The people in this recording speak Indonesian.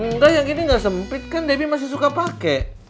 enggak yang ini nggak sempit kan debbie masih suka pakai